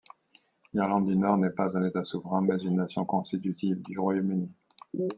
L'Irlande du Nord n'est pas un État souverain, mais une nation constitutive du Royaume-Uni.